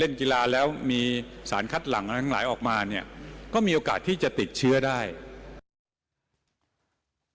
อาจมีสามารถมีสารใช้ออกมาไว้ที่สิ่งรอดัง